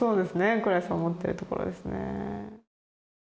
クレソン持ってるところですね。